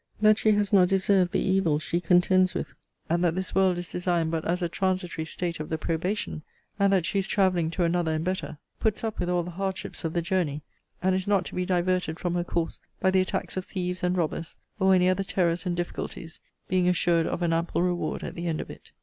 ] that she has not deserved the evils she contends with; and that this world is designed but as a transitory state of the probation; and that she is travelling to another and better; puts up with all the hardships of the journey; and is not to be diverted from her course by the attacks of thieves and robbers, or any other terrors and difficulties; being assured of an ample reward at the end of it.